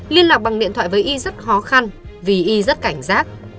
liên lạc bằng điện thoại với y rất khó khăn vì y rất cảnh giác